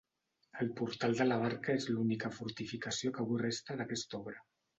El portal de la Barca és l'única fortificació que avui resta d'aquesta obra.